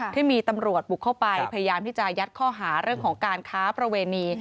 ที่มีตำรวจบุกเข้าไปพยายามที่จะยัดข้อหาเรื่องของการค้าประเวณี